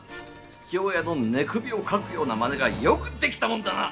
父親の寝首をかくようなまねがよくできたもんだな！